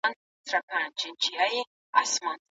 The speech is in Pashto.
ښه ذهنیت ستونزي نه زیاتوي.